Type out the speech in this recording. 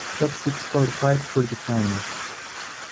Top six qualified for the final.